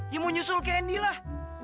ya mau nyusul keni lah